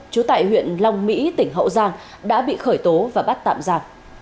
trú tại huyện long mỹ tỉnh hậu giang đã bị khởi tố và bắt tạm giả